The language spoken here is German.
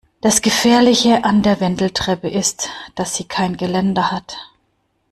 Das Gefährliche an der Wendeltreppe ist, dass sie kein Geländer hat.